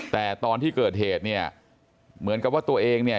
แต่ตอนที่เกิดเหตุเนี่ยเหมือนกับว่าตัวเองเนี่ย